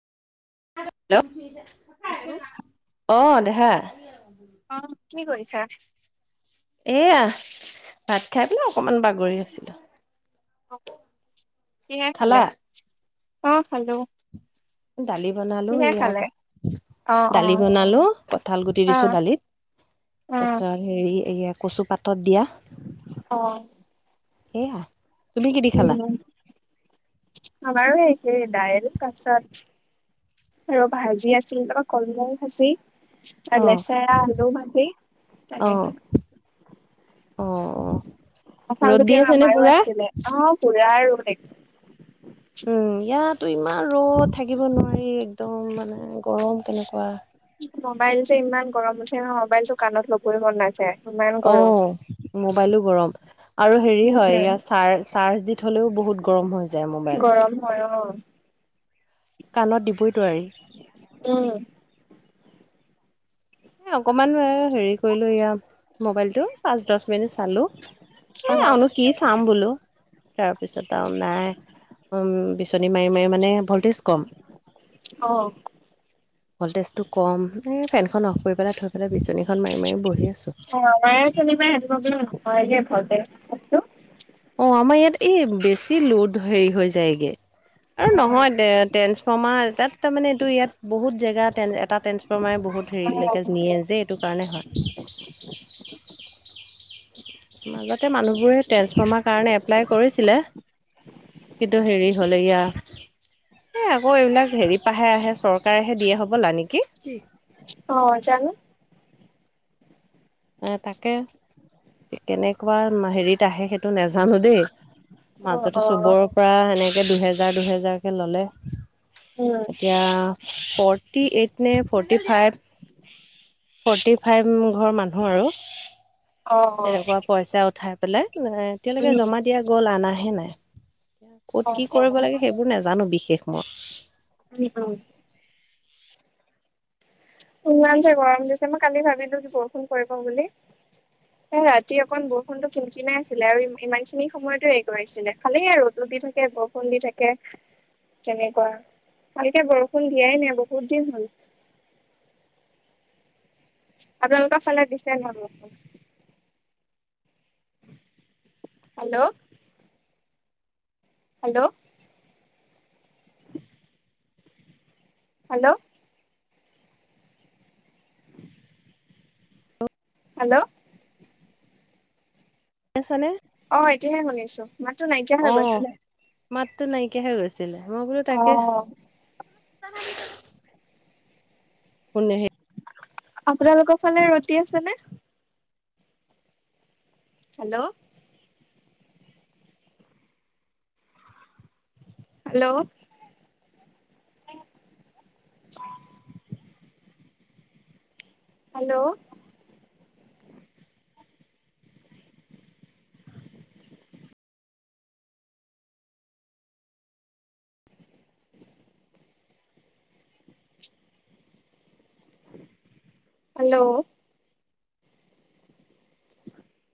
Hello অ দেহা। অ', কি কৰিছা? এয়া ভাত খাই পাই অকমান বাগৰি আছিলোঁ। কিহে খালে? খালোঁ দালি বনালো ইয়া অ', দালি অ', বনালো কঁঠাল গুটি দিছো অ', দালিত। অ', অ', তাৰপাছত হেৰি এইয়া। কচু পাতত দিয়া, সেয়া। তুমি কি দি খালা? উ আ বাৰ। এ দাইল তাৰপাছত আৰু ভাজি আছিল তাৰপৰা কলমৌ ভাজি। আৰু অ' লেচেৰা ৰা আলু মাজি অ' তেনেকে। অ' অ' কঠাল ৰ'দ গুটি দি আছে নে আমাৰো পুৰা? আছিলে অ পুৰা আৰু। [unintelligible] এয়াতো ইমান ৰ'দ থাকিব নোৱাৰি একদম মানে গৰম কেনেকুৱা,,। মোবাইল যে ইমান গৰম উঠে নহয় মোবাইলতটো কাণত লবই মন নাযায়। ইমান অ গৰম। মোবাইলো গৰম। আৰু হেৰি হয় উম, ইয়াৰ চাৰ চাৰ্জ দি থলেও বহুত গৰম হৈ যায় মোবাইল। গৰম হয় অ', কাণত দিবই দোৱাৰি। উম, অকমান হেৰি কৰিলো এয়া মোবাইলটো পাঁচ দহ মিনিট চালো। এ অ', আৰুনো কি চাম বলো। তাৰপিছত আৰু নাই বিচনী মাৰি মাৰি মানে ভল্টেজ কম। অহ। ভল্টেজটো কম এই ফেনখন অফ কৰি পেলাই থৈ পেলাই বিচনীখন মাৰি মাৰি বহি আছে। অ ম চনেমা হেব বো নহয় যে ভাৰতে অ আমাৰ ইয়াত এই বেছি লোড হেৰি হৈ যায়গে,। আৰু অ'। নহয় দে ট্ৰেন্সফৰ্মাৰ। তাত তাৰমানে এইটো ইয়াত বহুত জেগাত ট্ৰেন এটা ট্ৰেন্সফৰ্মাৰে বহুত হেৰিলৈকে নিয়ে অ যে এইটো কাৰণে হয়--্। মাজতে মানুহবোৰে ট্ৰেন্সফৰ্মাৰ কাৰণে এপ্লাই কৰিছিলে। ব্ৰ কিন্তু হেৰি হ'লে গে আ এ', আকৌ এইবিলাক হেৰি পাহে আহে চৰকাৰেহে দিয়ে হবলা নেকি? অ', জানোঁ এ', তাকে কেনেকুৱা হেৰিত আহে সেই নেজানো দেই অ মাজতে অ চবৰ পৰা এনেকে দুহেজাৰ দুহেজাৰ কে ললে, উম এতিয়া। ফৰ্টি এইট নে ফৰ্টি ফাইভ, ফৰ্টি ফাইভ ঘৰ মানুহ। ঘৰ আৰু অ তেনেকুৱা পইচা উঠাই। পেলাই এতিয়ালৈকে উম জমা দিয়া গ'ল আনাহে নাই। অ ক'ত কি অ কৰিব উম লাগে সেইবোৰ নাজানোঁ বিশেষ মই। উম', উম',। ইমান যে গৰম দিছে মই কালি ভাবিলোঁ যে কি বৰষুণ পৰিব বুলি। এ ৰাতি অকন বৰষুণটো কিন কিনাই আছিলে আৰু ইমান খিনি সময়তো হেৰি কৰাইছিলে, খালে আৰু ৰ'দত। দি থাকে বৰু দি থাকে। তেনেকুৱা, ভালকে বৰষুণ দিয়াই নাই বহুত দিন হ'ল। আপোনালোকৰ ফালে দিছে ন বৰষুণ? হেল্ল', ্ হেল্ল', ্ হেল্ল',। হেল্ল',। আছানে? অ', এতিয়াহে শুনিছোঁ, মাতটো নাইকিয়া হৈ গৈছিলে। মাতটো নাইকিয়া হয় গৈছিলে মই বোলো অ তাকে শুনে হে আপোনালোকৰ ফালে ৰ'দ দি আছে নে? Hello, hello, ' [unintelligible] hello, hello,